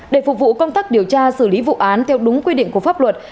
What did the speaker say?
để phục vụ công tác điều tra xử lý vụ án theo đúng quy định của pháp luật